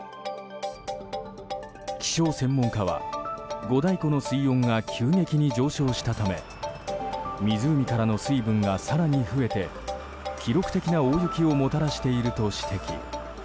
気象専門家は、五大湖の水温が急激に上昇したため湖からの水分が更に増えて記録的な大雪をもたらしていると指摘。